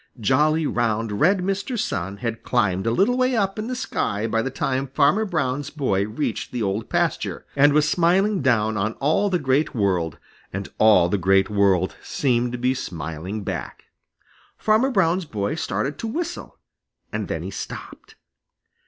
Jolly, round, red Mr. Sun had climbed a little way up in the sky by the time Farmer Brown's boy reached the Old Pasture, and was smiling down on all the Great World, and all the Great World seemed to be smiling back. Farmer Brown's boy started to whistle, and then he stopped.